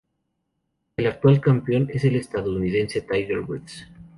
El actual campeón es el estadounidense, Tiger Woods.